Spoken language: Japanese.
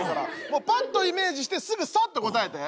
もうパッとイメージしてすぐサッと答えて。